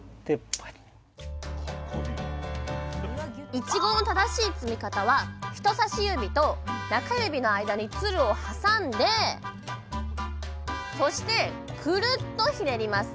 いちごの正しい摘み方は人さし指と中指の間につるを挟んでそしてくるっとひねります。